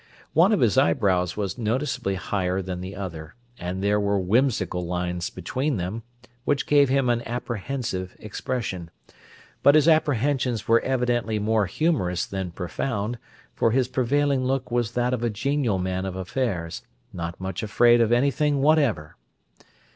One of his eyebrows was noticeably higher than the other; and there were whimsical lines between them, which gave him an apprehensive expression; but his apprehensions were evidently more humorous than profound, for his prevailing look was that of a genial man of affairs, not much afraid of anything whatever.